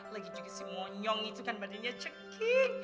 lagi juga si monyong itu kan badannya cekik